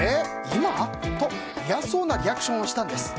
今？と嫌そうなリアクションをしたんです。